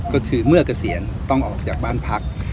ก็คือเมื่อเกษียณต้องออกจากบ้านพัก